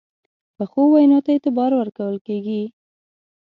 پخو وینا ته اعتبار ورکول کېږي